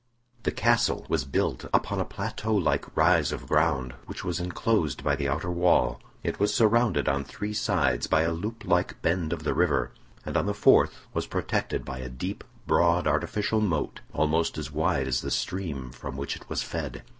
The castle was built upon a plateau like rise of ground, which was enclosed by the outer wall. It was surrounded on three sides by a loop like bend of the river, and on the fourth was protected by a deep, broad, artificial moat, almost as wide as the stream from which it was fed.